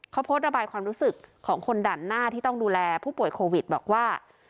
เขาโพสต์ระบายความรู้สึกของคนด่านหน้าที่ต้องดูแลผู้ป่วยโควิดบอกว่า